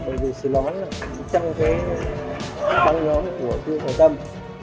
bởi vì xì lón trăng thêm